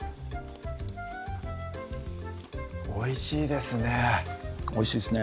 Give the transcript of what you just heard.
おいしいですねおいしいですね